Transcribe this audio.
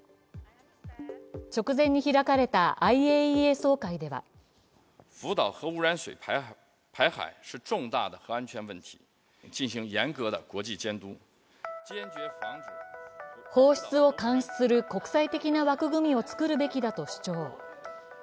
直前に開かれたＩＡＥＡ総会では放出を監視する国際的な枠組みを作るべきだと主張。